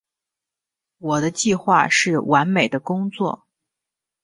我的计划是完美的工作。